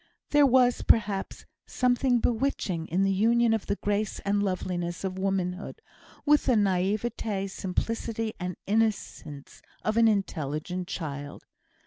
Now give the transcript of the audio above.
There was, perhaps, something bewitching in the union of the grace and loveliness of womanhood with the naïveté, simplicity, and innocence of an intelligent child.